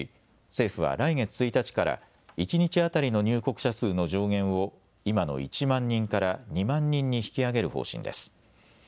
政府は来月１日から一日当たりの入国者数の上限を今の１万人から２万人に引き上げる方針です。